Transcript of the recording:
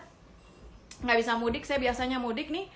tidak bisa mudik saya biasanya mudik nih